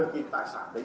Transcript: nếu không thực hiện